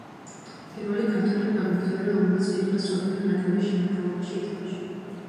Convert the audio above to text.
პირველი ქართველი ფეხბურთელი, რომელმაც ფიფა-ს მსოფლიოს ნაკრების შემადგენლობაში ითამაშა.